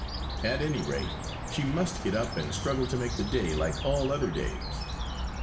At any rate, she must get up and struggle to make the day like all other days.